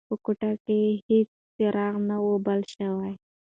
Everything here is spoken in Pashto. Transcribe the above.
په کوټه کې هیڅ څراغ نه و بل شوی.